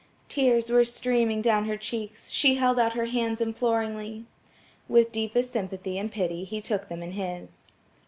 The tears were streaming down her cheeks, she held out her hands imploringly. With deepest sympathy and pity he took them in his.